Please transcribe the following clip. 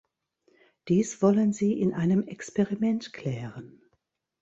Dies wollen sie in einem Experiment klären.